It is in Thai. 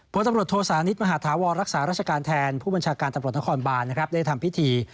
ตำรวจโทษานิทมหาธาวรรักษาราชการแทนผู้บัญชาการตำรวจนครบานได้ทำพิธี